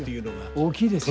大きいですよ。